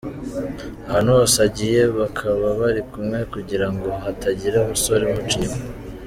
ahantu hose agiye bakaba bari kumwe kugira ngo hatagira umusore umuca inyuma.